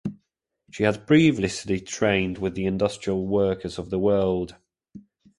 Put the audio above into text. She had previously trained with the Industrial Workers of the World.